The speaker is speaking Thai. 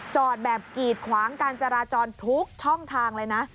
จอดแบบกีดขวางการจราจรทุกช่องทางเลยนะ